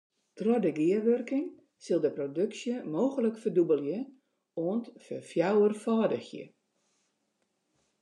Troch de gearwurking sil de produksje mooglik ferdûbelje oant ferfjouwerfâldigje.